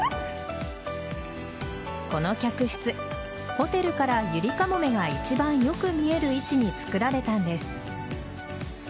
この客室ホテルからゆりかもめが一番よく見える位置につくられたんです。